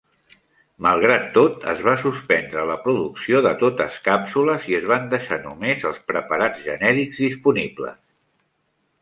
Malgrat tot, es va suspendre la producció de totes càpsules i es van deixar només els preparats genèrics disponibles.